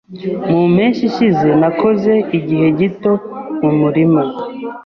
Mu mpeshyi ishize, nakoze igihe gito mu murima.